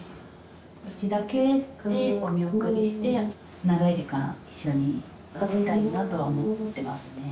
うちだけでお見送りして長い時間一緒にいたいなとは思ってますね。